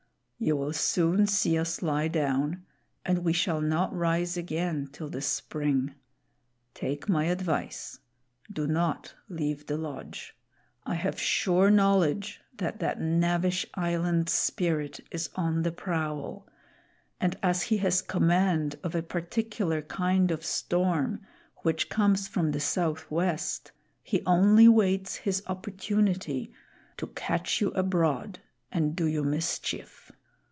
You will soon see us lie down, and we shall not rise again till the spring. Take my advice. Do not leave the lodge. I have sure knowledge that that knavish Island Spirit is on the prowl, and as he has command of a particular kind of storm, which comes from the south west, he only waits his opportunity to catch you abroad and do you mischief.